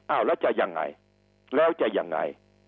อ้าวแล้วจะยังไงแล้วจะยังไง